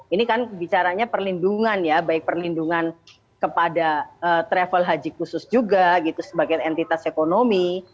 ini kan bicaranya perlindungan ya baik perlindungan kepada travel haji khusus juga gitu sebagai entitas ekonomi